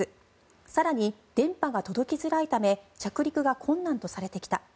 更に電波が届きづらいため着陸が困難とされてきた。